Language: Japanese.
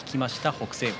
北青鵬